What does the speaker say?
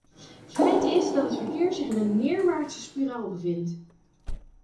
Feit is dat het verkeer zich in een neerwaartse spiraal bevindt.